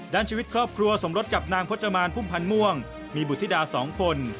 ด้านชีวิตครอบครัวสมรสกับนางพจมานพุ่มพันธ์ม่วงมีบุธิดา๒คน